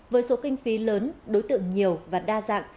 với số kinh phí lớn đối tượng nhiều và đa dạng